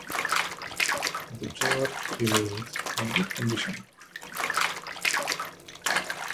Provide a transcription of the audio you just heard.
The church remains in good condition.